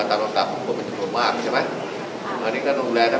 แต่ถ้าการล้องไฟนอกก็ระวังอีกด้านหนึ่ง